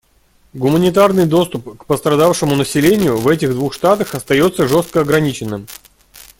Гуманитарный доступ к пострадавшему населению в этих двух штатах остается жестко ограниченным.